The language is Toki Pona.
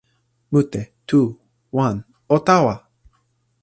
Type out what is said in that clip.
mute. tu. wan. o tawa!